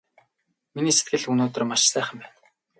Миний сэтгэл өнөөдөр маш сайхан байна!